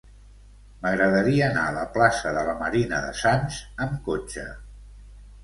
M'agradaria anar a la plaça de la Marina de Sants amb cotxe.